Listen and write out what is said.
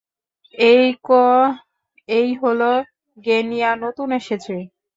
এইকো, এই হলো গেনিয়া, নতুন এসেছে।